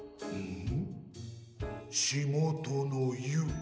ん。